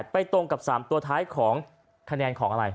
ตรงกับ๓ตัวท้ายของคะแนนของอะไร